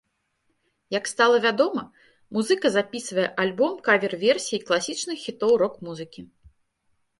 Як стала вядома, музыка запісвае альбом кавер-версій класічных хітоў рок-музыкі.